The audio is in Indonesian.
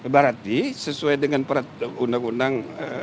berarti sesuai dengan peraturan undang undang